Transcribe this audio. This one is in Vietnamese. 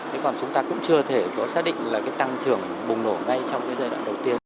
thế còn chúng ta cũng chưa thể có xác định là cái tăng trưởng bùng nổ ngay trong cái giai đoạn đầu tiên